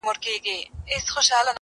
چې په قهر غوسه راشي، قهرجنې